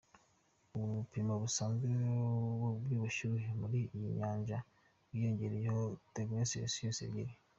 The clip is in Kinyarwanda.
Ubu ibipimo bisanzwe by’ubushyuhe muri iyi Nyanja byiyongereyeho dogere celsius ebyiri.